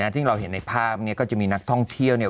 ซึ่งเราเห็นในภาพเนี่ยก็จะมีนักท่องเที่ยวเนี่ย